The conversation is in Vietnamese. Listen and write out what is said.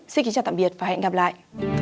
xin kính chào tạm biệt và hẹn gặp lại